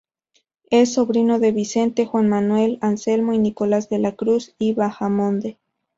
Es sobrino de Vicente, Juan Manuel, Anselmo y Nicolas de la Cruz y Bahamonde.